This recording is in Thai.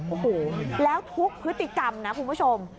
โอ้โหแล้วทุกพฤติกรรมนะคุณผู้ชม